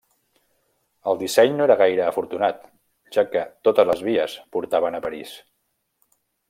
El disseny no era gaire afortunat, ja que totes les vies portaven a París.